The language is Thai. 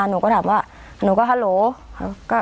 หนูก็ถามว่าหนูก็ฮัลโหล